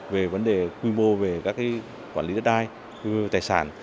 về vấn đề quy mô về các quản lý đất đai tài sản